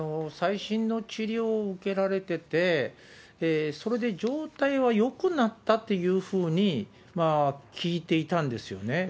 最新の治療を受けられてて、それで状態はよくなったというふうに聞いていたんですよね。